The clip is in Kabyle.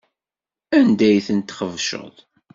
Anda ay tent-txebceḍ?